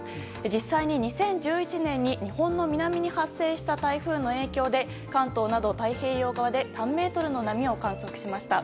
実際に２０１１年に日本の南に発生した台風の影響で関東など太平洋側で３ｍの波を観測しました。